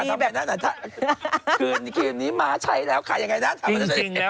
นี่ขี้มาใช้แล้วยังไงนะ